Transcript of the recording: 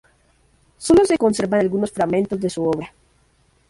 Sólo se conservan algunos fragmentos de su obra.